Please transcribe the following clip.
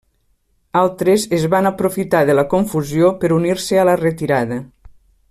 Altres es van aprofitar de la confusió per unir-se a la retirada.